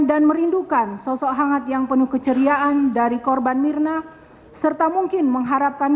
dan merindukan sosok hangat yang penuh keceriaan dari korban mirna serta mungkin mengharapkan